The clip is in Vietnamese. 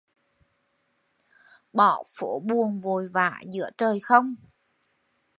Bỏ phố buồn vội vã giữa trời không